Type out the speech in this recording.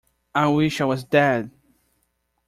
I wish I was dead!